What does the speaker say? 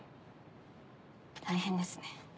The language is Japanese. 大変ですね。